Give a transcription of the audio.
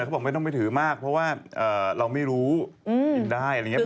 เขาบอกไม่ต้องไปถือมากเพราะว่าเราไม่รู้กินได้อะไรอย่างนี้